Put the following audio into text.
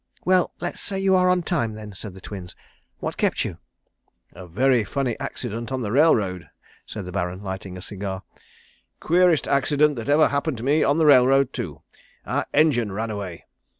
"Well, let's say you are on time, then," said the Twins. "What kept you?" "A very funny accident on the railroad," said the Baron lighting a cigar. "Queerest accident that ever happened to me on the railroad, too. Our engine ran away."